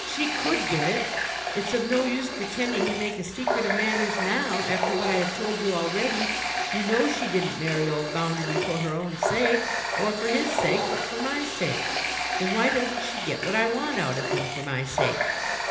She could get it. It's of no use pretending to make a secret of matters now, after what I have told you already; you know she didn't marry old Bounderby for her own sake, or for his sake, but for my sake. Then why doesn't she get what I want, out of him, for my sake?